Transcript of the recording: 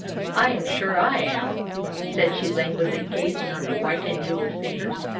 I am sure I am," said she, languidly gazing on her white and jewelled fingers.